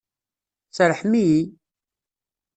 Serrḥem-iyi!